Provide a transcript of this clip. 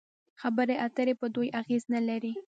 خبرې اترې پر دوی اغېز نلري.